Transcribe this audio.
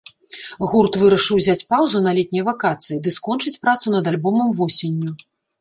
Гурт вырашыў узяць паўзу на летнія вакацыі ды скончыць працу над альбомам восенню.